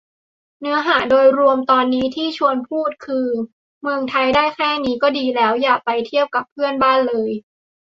เนื้อหาโดยรวมตอนนี้ที่ชวนพูดคือ เมืองไทยได้แค่นี้ก็ดีแล้ว อย่าไปเทียบกับเพื่อนบ้านเลย